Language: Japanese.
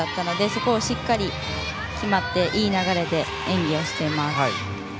そこをしっかり決まっていい流れで演技をしています。